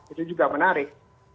itu juga menarik